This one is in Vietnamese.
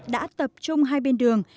đã tập trung hai bên đường